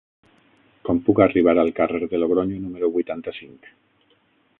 Com puc arribar al carrer de Logronyo número vuitanta-cinc?